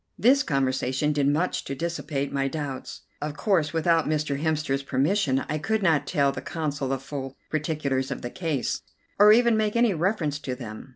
This conversation did much to dissipate my doubts. Of course, without Mr. Hemster's permission I could not tell the Consul the full particulars of the case, or even make any reference to them.